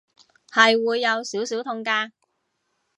係會有少少痛㗎